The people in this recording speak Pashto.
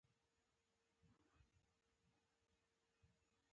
د دوستی او دوښمنی حد معلومولی شوای.